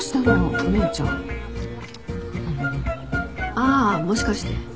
ああもしかして。